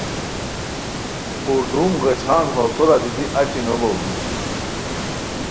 پردوم غیچھان ہو سورا دیتی اچی نو بوغدو